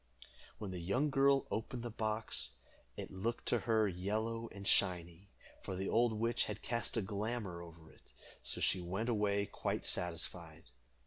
When the young girl opened the box, it looked to her yellow and shiny, for the old witch had cast a glamour over it, so she went away quite satisfied.